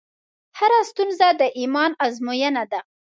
هره ستونزه د ایمان ازموینه ده.